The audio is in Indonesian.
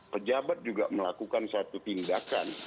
pejabat juga melakukan satu tindakan